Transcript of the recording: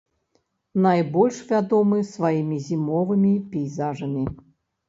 Найбольш вядомы сваімі зімовымі пейзажамі.